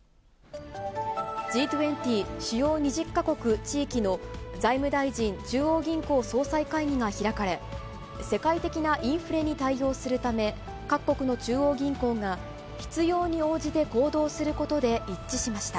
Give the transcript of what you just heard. Ｇ２０主要２０か国・地域の財務大臣・中央銀行総裁会議が開かれ、世界的なインフレに対応するため、各国の中央銀行が必要に応じて行動することで一致しました。